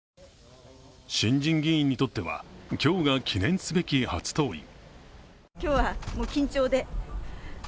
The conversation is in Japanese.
新人議員にとっては今日が記念すべき初登院。